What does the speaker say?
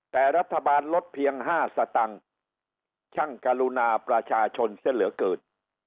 แต่รัฐบาลลดเพียง๕สตังค์ช่างกรุณาประชาชนเสียเหลือเกิน